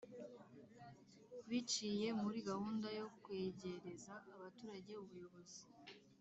biciye muri gahunda yo kwegereza abaturage ubuyobozi.